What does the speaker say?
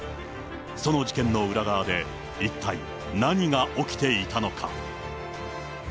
その事件の裏側で、一体何が起きていたのか。